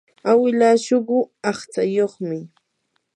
awilaa suqu aqtsayuqmi.